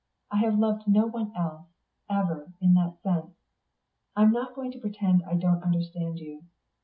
I have loved no one else, ever, in that sense.... I'm not going to pretend I don't understand you.